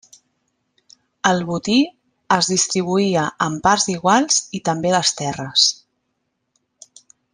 El botí es distribuïa en parts iguals i també les terres.